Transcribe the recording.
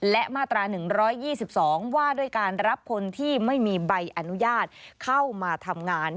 และมาตรา๑๒๒ว่าด้วยการรับคนที่ไม่มีใบอนุญาตเข้ามาทำงาน